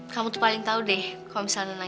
kamu tuh paling tahu deh kau bisa nenangin hati aku